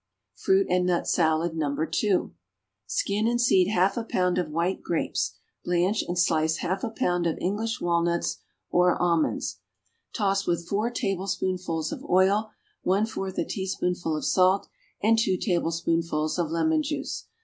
=Fruit and Nut Salad, No. 2.= Skin and seed half a pound of white grapes; blanch and slice half a pound of English walnuts or almonds. Toss with four tablespoonfuls of oil, one fourth a teaspoonful of salt and two tablespoonfuls of lemon juice.